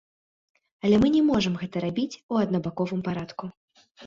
Але мы не можам гэта рабіць у аднабаковым парадку.